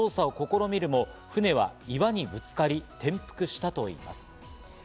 他の船頭が操作を試みるも、船は岩にぶつかり転覆したといいます。